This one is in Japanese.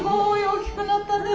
大きくなったね。